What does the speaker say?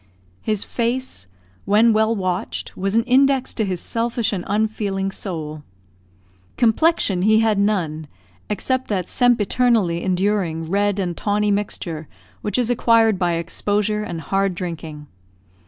His face, when well watched, was an index to his selfish and unfeeling soul. Complexion he had none, except that sempiternally enduring red and tawny mixture which is acquired by exposure and hard drinking.